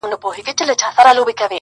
که لوی سوم ځمه د ملا غوږ کي آذان کومه_